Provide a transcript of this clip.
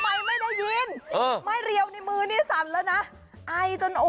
เออเออเออเออเออเออเออเออเออเออเออเออเออเออเออ